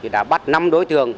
đã bắt năm đối tượng